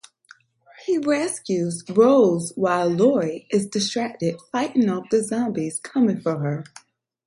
He rescues Rolls while Loi is distracted fighting off the zombies coming for her.